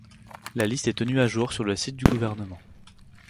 La liste est tenue à jour sur le site du gouvernement.